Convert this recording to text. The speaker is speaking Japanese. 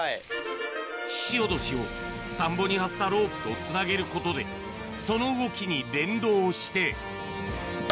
ししおどしを田んぼに張ったロープとつなげることで、その動きに連動して。